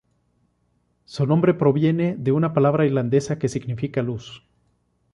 Su nombre proviene de una palabra irlandesa que significa luz.